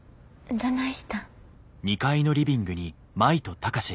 どないしたん？